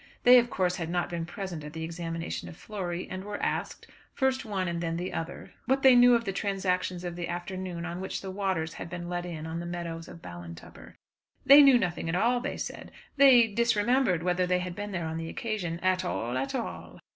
They of course had not been present at the examination of Flory, and were asked, first one and then the other, what they knew of the transactions of the afternoon on which the waters had been let in on the meadows of Ballintubber. They knew nothing at all, they said. They "disremembered" whether they had been there on the occasion, "at all, at all."